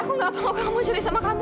aku gak mau kamu curi sama kamu